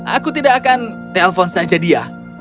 aku tidak akan telpon saja dia